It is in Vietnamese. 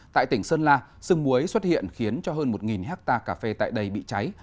tại tỉnh sơn la sương muối xuất hiện khiến cho hơn một hectare cà phê tại đây bị cháy